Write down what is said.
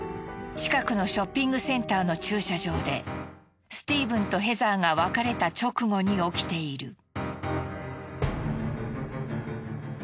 近くのショッピングセンターの駐車場でスティーブンとヘザーが別れた直後に起きている。